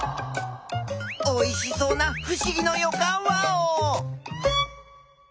おいしそうなふしぎのよかんワオ！